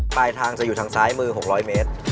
ปลายทางจะอยู่ทางซ้ายมือ๖๐๐เมตร